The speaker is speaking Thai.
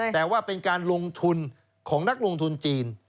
แต่ว่าเป็นการลงทุนของนักลงทุนจีน